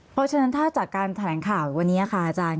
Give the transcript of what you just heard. เพราะฉะนั้นถ้าจากการแถลงข่าววันนี้ค่ะอาจารย์